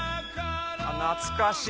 懐かしい。